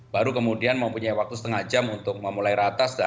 baru kemudian mempunyai waktu setengah jam untuk memulai ratas